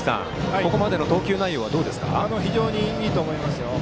ここまでの投球内容は非常にいいと思います。